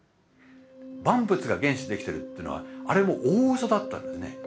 万物が原子でできてるっていうのはあれも大うそだったんですね。